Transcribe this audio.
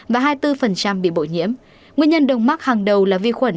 và hai mươi bốn bị bội nhiễm nguyên nhân đồng mắc hàng đầu là vi khuẩn